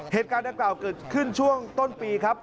เหตุการณ์ดังกล่าวเกิดขึ้นช่วงต้นปีครับ